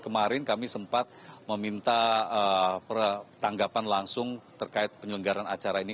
kemarin kami sempat meminta tanggapan langsung terkait penyelenggaran acara ini